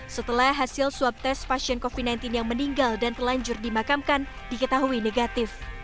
setelah hasil swab tes pasien covid sembilan belas yang meninggal dan telanjur dimakamkan diketahui negatif